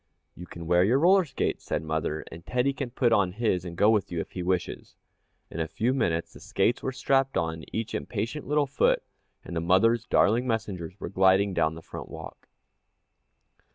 "You can wear your roller skates," said mother, "and Teddy can put on his and go with you, if he wishes." In a few minutes the skates were strapped on each impatient little foot, and mother's darling messengers were gliding down the front walk.